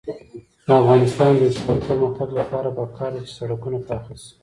د افغانستان د اقتصادي پرمختګ لپاره پکار ده چې سړکونه پاخه شي.